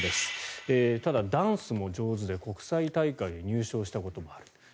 ただ、ダンスも上手で国際大会で入賞したこともあると。